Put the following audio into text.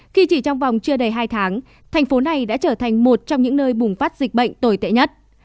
khi chỉ trong vòng chưa đầy hai tháng thành phố này đã trở thành một trong những nơi bùng phát dịch bệnh tồi tệ nhất